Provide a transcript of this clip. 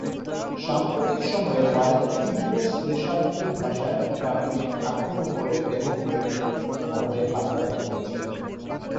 সাম্প্রতিক সময়ে ওয়ারেন তীব্র শ্লেষাত্মক ভাষায় ট্রাম্পকে আক্রমণ করে ডেমোক্রেট মহলে হাততালি পেয়েছেন।